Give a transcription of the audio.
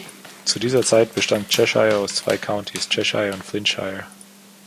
Zu dieser Zeit bestand Cheshire aus zwei Countys: Cheshire und Flintshire.